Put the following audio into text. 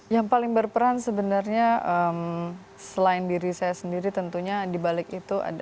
yang paling berperan sebenarnya selain diri saya sendiri tentunya dibalik itu ada